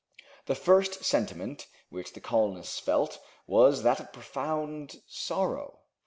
The first sentiment which the colonists felt was that of profound sorrow.